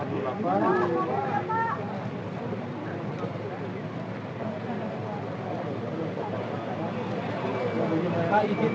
pak mobilnya pak